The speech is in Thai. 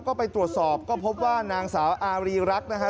ก็ไปตรวจสอบก็พบว่านางสาวอารีรักษ์นะฮะ